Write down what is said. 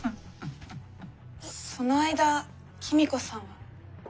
その間公子さんは。